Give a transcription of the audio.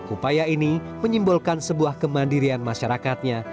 upaya ini menyimbolkan sebuah kemandirian masyarakatnya